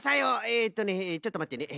えっとねちょっとまってね。